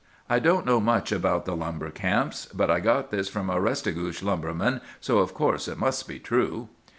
"I don't know much about the lumber camps; but I got this from a Restigouche lumberman, so of course it must be true.